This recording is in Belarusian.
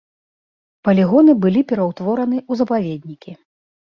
Палігоны былі пераўтвораны ў запаведнікі.